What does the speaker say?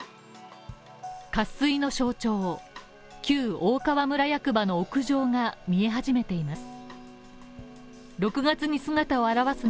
渇水の象徴、旧大川村役場の屋上が見え始めています。